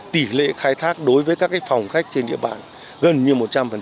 tỷ lệ khai thác đối với các phòng khách trên địa bàn gần như một trăm linh